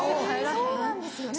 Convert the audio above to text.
そうなんですよね。